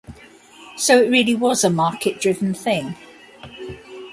So, it really was a market-driven thing.